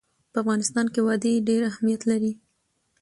په افغانستان کې وادي ډېر اهمیت لري.